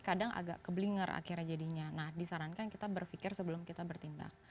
kadang agak keblinger akhirnya jadinya nah disarankan kita berpikir sebelum kita bertindak